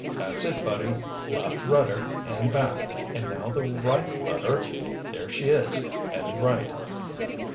That's it, buddy, left rudder and back, and now the right rudder—there she is, headed right."